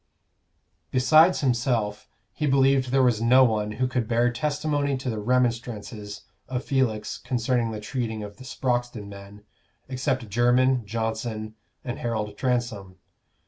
Besides himself, he believed there was no one who could bear testimony to the remonstrances of Felix concerning the treating of the Sproxton men, except Jermyn, Johnson, and Harold Transome.